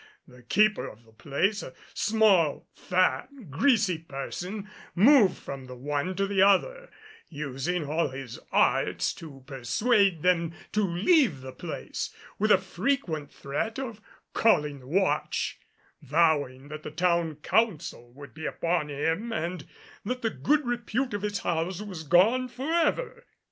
The keeper of the place, a small, fat, greasy person, moved from the one to the other, using all his arts to persuade them to leave the place, with a frequent threat of calling the watch, vowing that the town council would be upon him and that the good repute of his house was gone forever.